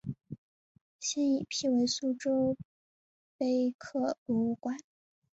现已辟为苏州碑刻博物馆。